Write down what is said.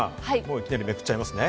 いきなりめくっちゃいますね。